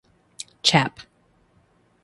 Chap.